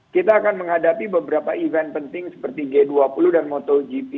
kita akan menghadapi beberapa event penting seperti g dua puluh dan motogp